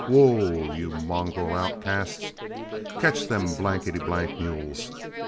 Whoa, you mongrel outcasts! Catch them blankety blank mules!"